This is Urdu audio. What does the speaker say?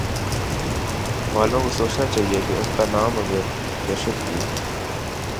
والوں کو سوچنا چاہیے کہ ان کانام اگر دہشت کی